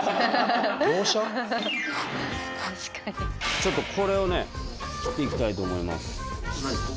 ちょっとこれをね切って行きたいと思います。